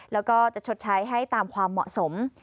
แล้วก็จะชดใช้ให้ตามความเหมาะสม